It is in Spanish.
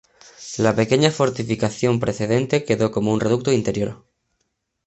La pequeña fortificación precedente quedó como un reducto interior.